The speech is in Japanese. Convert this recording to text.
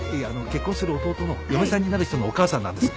結婚する弟の嫁さんになる人のお母さんなんです。